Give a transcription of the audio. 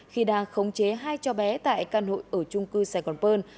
khi đang khống chế hai cho bé tại căn hội ở trung cư sài gòn pơn